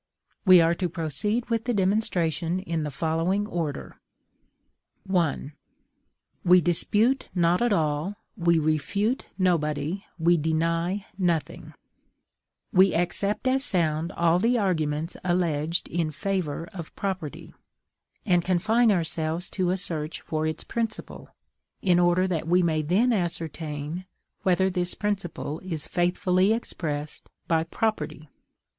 We are to proceed with the demonstration in the following order: I. We dispute not at all, we refute nobody, we deny nothing; we accept as sound all the arguments alleged in favor of property, and confine ourselves to a search for its principle, in order that we may then ascertain whether this principle is faithfully expressed by property.